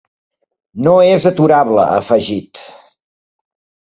No és aturable, ha afegit.